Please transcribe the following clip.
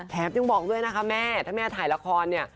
ยังบอกด้วยนะคะแม่ถ้าแม่ถ่ายละครเนี่ย